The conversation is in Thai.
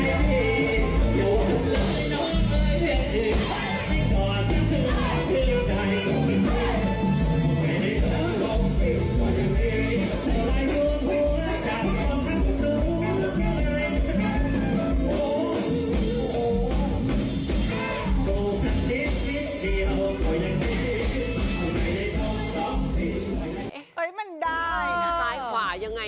โอ้โอ้โอ้โอ้โอ้โกคถิตทิศทิศที่เอาไปอย่างนี้แล้วก็ไม่ได้คงร้องความตรงนี้